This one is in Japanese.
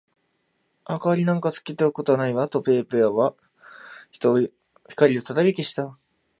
「明りなんかつけておくことはないわ」と、ペーピーはいって、光をふたたび消した。